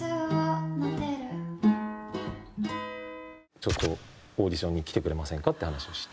ちょっとオーディションに来てくれませんかって話をして。